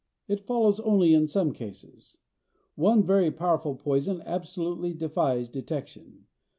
It follows only in some cases. One very powerful poison absolutely defies detection.